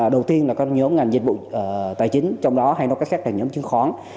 đầu tiên là các nhóm ngành dịch vụ tài chính trong đó hay nói cách khác là nhóm chứng khoán